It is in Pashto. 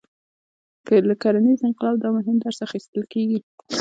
له کرنیز انقلاب دا مهم درس اخیستل کېږي.